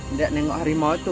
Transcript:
nggak nengok hari mau tuh